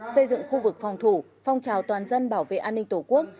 xây dựng khu vực phòng thủ phong trào toàn dân bảo vệ an ninh tổ quốc